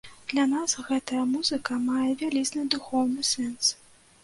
Для нас гэтая музыка мае вялізны духоўны сэнс.